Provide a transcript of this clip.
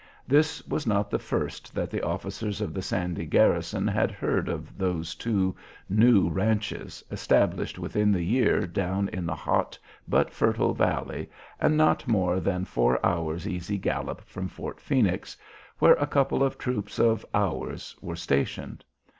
This was not the first that the officers of the Sandy garrison had heard of those two new "ranches" established within the year down in the hot but fertile valley, and not more than four hours' easy gallop from Fort Phoenix, where a couple of troops of "Ours" were stationed.